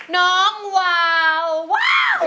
น้องวาววาว